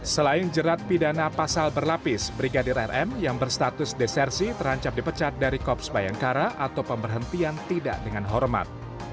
selain jerat pidana pasal berlapis brigadir rm yang berstatus desersi terancam dipecat dari kops bayangkara atau pemberhentian tidak dengan hormat